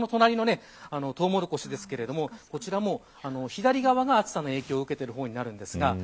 隣はトウモロコシですがこちらも、左側が暑さの影響を受けている方です。